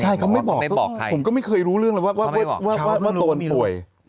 ใช่เขาไม่บอกผมก็ไม่เคยรู้เรื่องเลยว่าตนป่วย